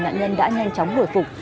nạn nhân đã nhanh chóng hồi phục